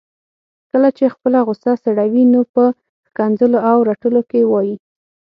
کله چي خپله غصه سړوي نو په ښکنځلو او رټلو کي وايي